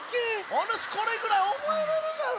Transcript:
おぬしこれぐらいおぼえられるじゃろ。